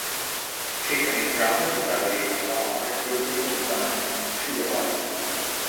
সেখানে ব্রাহ্ম বিদ্যালয়ে তাঁর প্রথম অধ্যয়ন শুরু হয়।